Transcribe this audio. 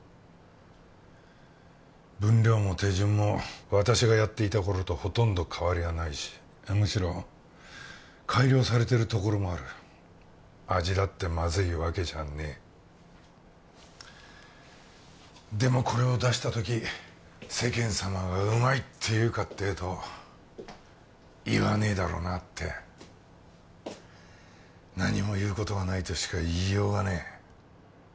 分量も手順も私がやっていた頃とほとんど変わりはないしむしろ改良されてるところもある味だってマズいわけじゃねえでもこれを出した時世間様がうまいって言うかっていうと言わねえだろうなって何も言うことがないとしか言いようがねえ